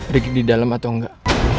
ricky di dalam atau enggak